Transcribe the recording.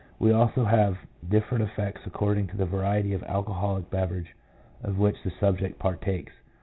We also have different effects according to the variety of alcoholic beverage of which the subject partakes.